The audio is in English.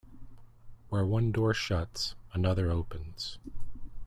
Where one door shuts, another opens.